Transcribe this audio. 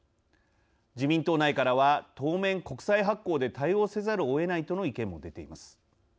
自民党内からは当面、国債発行で対応せざるをえないとの意見も出ています。